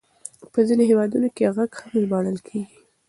په ځينو هېوادونو کې غږ هم ژباړل کېږي.